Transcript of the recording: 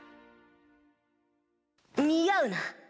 似合うな。